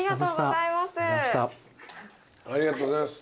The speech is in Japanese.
ありがとうございます。